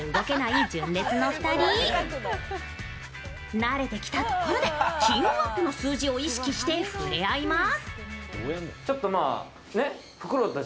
慣れてきたところで金運アップの数字を意識して触れ合います。